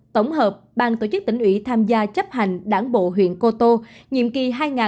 tổng hợp ban tổ chức tỉnh ủy tham gia chấp hành đảng bộ huyện cô tô nhiệm kỳ hai nghìn hai mươi hai nghìn hai mươi năm